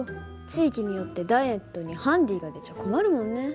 地域によってダイエットにハンディが出ちゃ困るもんね。